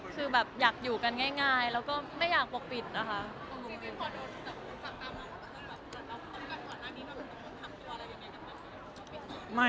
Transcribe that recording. คือแบบอยากอยู่กันง่ายแล้วก็ไม่อยากปกปิดนะคะ